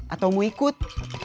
atau mau ikut